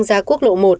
ra quốc lộ một